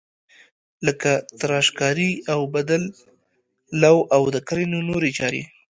لکه تراشکاري، اوبدل، لو او د کرنې نورې چارې.